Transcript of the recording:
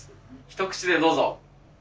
一口でどうぞ。